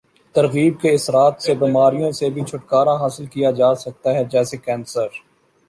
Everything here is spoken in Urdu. ترغیب کے اثرات سے بیماریوں سے بھی چھٹکارا حاصل کیا جاسکتا ہے جیسے کینسر